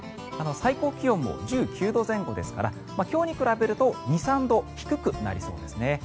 最高気温も１９度前後ですから今日に比べると２３度低くなりそうですね。